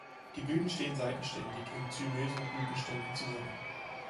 Die Blüten stehen seitenständig in zymösen Blütenständen zusammen.